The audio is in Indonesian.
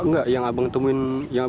enggak yang abang temuin yang